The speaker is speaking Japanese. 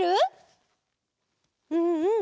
うんうん。